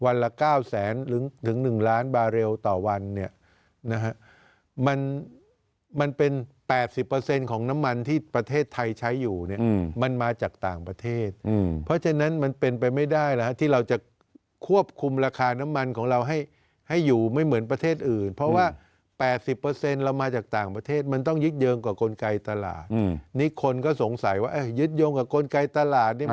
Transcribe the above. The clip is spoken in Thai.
ละ๙แสนถึง๑ล้านบาเรลต่อวันเนี่ยนะฮะมันมันเป็น๘๐ของน้ำมันที่ประเทศไทยใช้อยู่เนี่ยมันมาจากต่างประเทศเพราะฉะนั้นมันเป็นไปไม่ได้แล้วที่เราจะควบคุมราคาน้ำมันของเราให้ให้อยู่ไม่เหมือนประเทศอื่นเพราะว่า๘๐เรามาจากต่างประเทศมันต้องยึดเยิงกว่ากลไกตลาดนี่คนก็สงสัยว่ายึดโยงกับกลไกตลาดนี่มัน